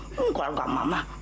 dulu waktu mak kawin sama bapak kamu